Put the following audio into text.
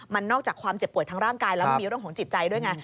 มันนอกจากความเจ็บป่วยทางร่างกายแล้วมันมีเรื่องของจิตใจด้วยไง